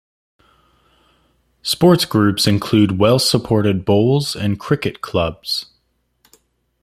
Sports groups include well-supported Bowls and Cricket clubs.